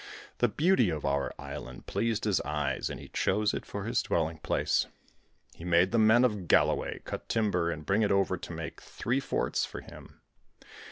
The beauty of our island pleased his eyes and he chose it for his dwelling place. He made the men of Galloway cut timber and bring it over to make three forts for him.